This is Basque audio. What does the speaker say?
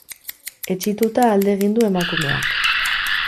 Etsituta alde egin du emakumeak.